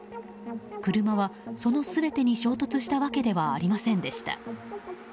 車はその全てに衝突したわけではありませんでした。